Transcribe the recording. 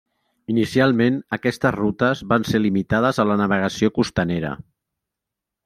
Inicialment aquestes rutes van ser limitades a la navegació costanera.